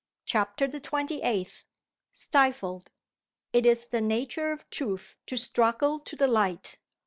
CHAPTER THE TWENTY EIGHTH. STIFLED. IT is the nature of Truth to struggle to the light.